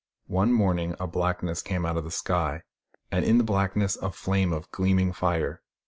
One morning a blackness came out of the sky, and in the blackness a flame of gleaming fire.